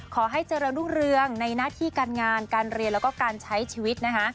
ขอให้เจริญรุ่งเรืองในหน้าที่การงานการเรียนแล้วก็การใช้ชีวิตนะคะ